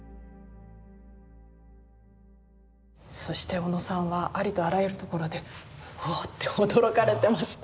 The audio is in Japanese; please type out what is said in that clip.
そして小野さんはありとあらゆるところで「お！」って驚かれてましたが。